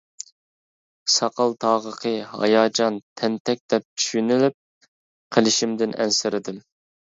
ساقال تاغىقى، ھاياجان، تەنتەك دەپ چۈشىنىلىپ قېلىشىمدىن ئەنسىرىدىم.